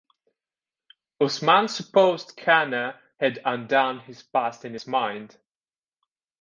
Usman supposed Khanna "had undone his past in his mind".